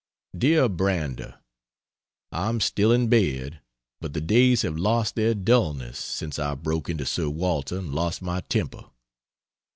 DEAR BRANDER, I'm still in bed, but the days have lost their dulness since I broke into Sir Walter and lost my temper.